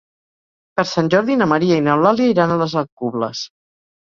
Per Sant Jordi na Maria i n'Eulàlia iran a les Alcubles.